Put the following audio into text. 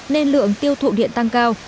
nên lượng tiêu thụ điện tăng cao